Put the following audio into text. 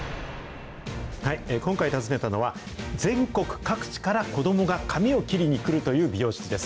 今回訪ねたのは、全国各地から子どもが髪を切りに来るという美容室です。